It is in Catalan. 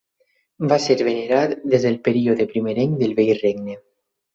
Va ser venerat des del període primerenc del Vell Regne.